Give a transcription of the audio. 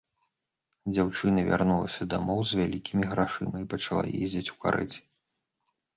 Дзяўчына вярнулася дамоў з вялікімі грашыма і пачала ездзіць у карэце.